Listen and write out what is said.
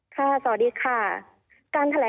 ค่ะสวัสดีค่ะ